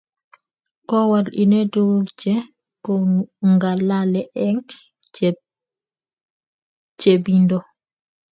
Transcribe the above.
ko wal ine tuguk che kongalale eng chepchebindo